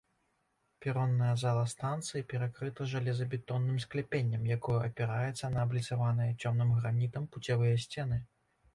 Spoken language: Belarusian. Перонная зала станцыі перакрыта жалезабетонным скляпеннем, якое апіраецца на абліцаваныя цёмным гранітам пуцявыя сцены.